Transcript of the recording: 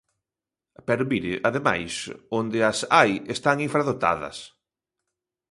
Pero mire, ademais, onde as hai están infradotadas.